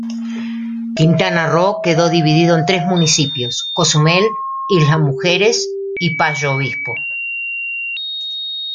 Quintana Roo quedó dividido en tres municipios: Cozumel, Isla Mujeres y Payo Obispo.